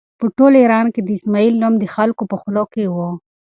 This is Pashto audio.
په ټول ایران کې د اسماعیل نوم د خلکو په خولو کې و.